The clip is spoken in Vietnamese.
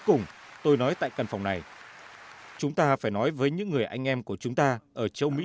cùng tôi nói tại căn phòng này chúng ta phải nói với những người anh em của chúng ta ở châu mỹ